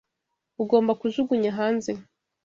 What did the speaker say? Ugomba kujugunya hanze.